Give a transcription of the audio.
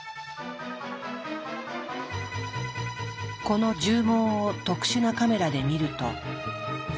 この絨毛を特殊なカメラで見ると。